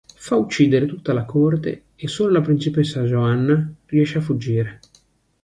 Fa uccidere tutta la corte, e solo la principessa Joanna riesce a fuggire.